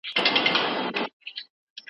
خپلوي پالل عمر زياتوي.